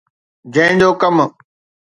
جنهن جو ڪم